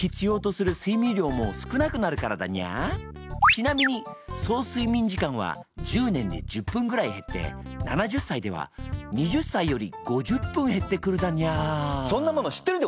ちなみに総睡眠時間は１０年で１０分ぐらい減って７０歳では２０歳より５０分減ってくるだにゃー。